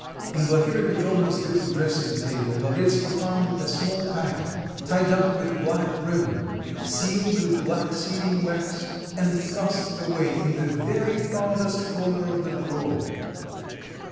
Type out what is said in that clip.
In Glafira Petrovna's little dressing table, Lavretsky found a small packet, tied up with black ribbon, sealed with black sealing wax, and thrust away in the very farthest corner of the drawer.